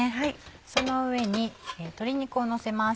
その上に鶏肉をのせます。